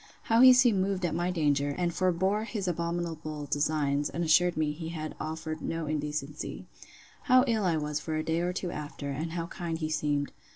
How he seemed moved at my danger, and forbore his abominable designs; and assured me he had offered no indecency. How ill I was for a day or two after; and how kind he seemed.